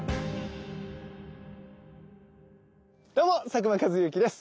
どうも佐久間一行です。